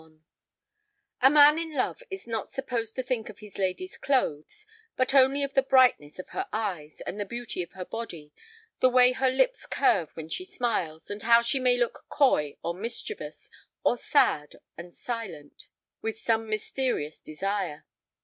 XLI A man in love is not supposed to think of his lady's clothes, but only of the brightness of her eyes and the beauty of her body, the way her lips curve when she smiles, and how she may look coy or mischievous, or sad and silent with some mysterious desire.